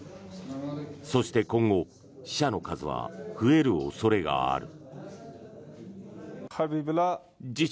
そして、今後死者の数は増える恐れがある。